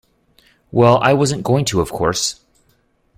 Well, I wasn't going to, of course.